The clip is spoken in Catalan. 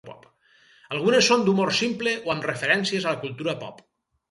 Algunes són d'un humor simple o amb referències a la cultura pop.